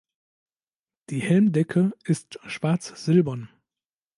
Die Helmdecke ist schwarz-silbern.